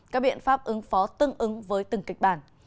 các biện pháp ứng phó tương ứng với từng kịch bản